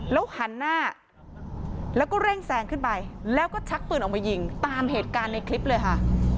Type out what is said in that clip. แล้วหันหน้าแล้วก็เร่งแซงขึ้นไปแล้วก็ชักปืนออกมายิงตามเหตุการณ์ในคลิปเลยค่ะ